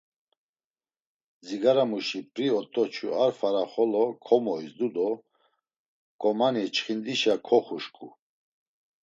Dzigaramuşi p̌ri ot̆oçu a fara xolo komoizdu do ǩomani çxindişa koxuşǩu.